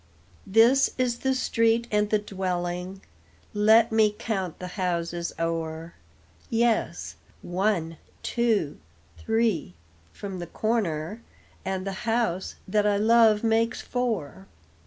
This is the street and the dwelling, Let me count the houses o'er; Yes, one, two, three from the corner, And the house that I love makes four.